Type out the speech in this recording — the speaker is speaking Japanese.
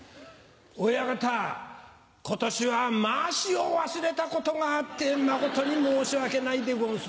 親方今年はまわしを忘れたことがあって誠に申し訳ないでごんす。